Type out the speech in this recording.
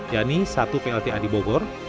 yakni satu plta di bogor